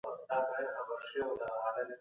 زه له سهاره د سبا لپاره د لغتونو زده کړه کوم.